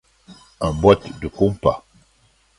un boîte de compas.